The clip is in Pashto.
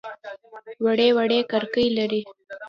وړې وړې کړکۍ لري.